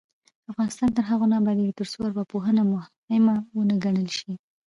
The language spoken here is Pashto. افغانستان تر هغو نه ابادیږي، ترڅو ارواپوهنه مهمه ونه ګڼل شي.